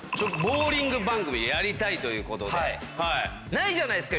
ないじゃないっすか